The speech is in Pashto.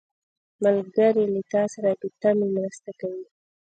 ملګری له تا سره بې تمې مرسته کوي